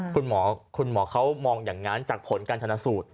คุณหมอเขามองอย่างนั้นจากผลการถานสูตร